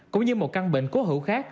cũng như một căn bệnh cố hữu khác